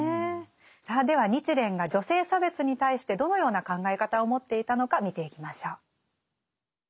さあでは日蓮が女性差別に対してどのような考え方を持っていたのか見ていきましょう。